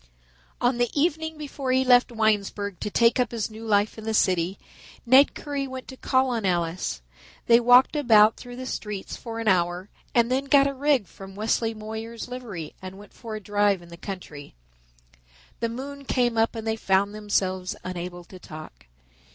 On the evening before he left Winesburg to take up his new life in the city, Ned Currie went to call on Alice. They walked about through the streets for an hour and then got a rig from Wesley Moyer's livery and went for a drive in the country. The moon came up and they found themselves unable to talk.